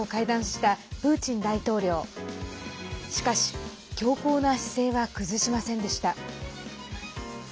しかし、強硬な姿勢は崩しませんでした。